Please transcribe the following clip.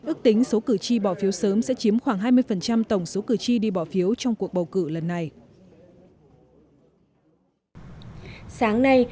ước tính số cử tri bỏ phiếu sớm sẽ chiếm khoảng hai mươi tổng số cử tri đi bỏ phiếu trong cuộc bầu cử lần này